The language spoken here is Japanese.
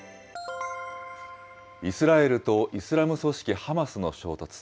イスラエルとイスラム組織ハマスの衝突。